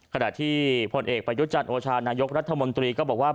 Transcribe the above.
ขณะที่ผลเอกประยุจันทร์โอชานายกรัฐมนตรีก็บอกว่า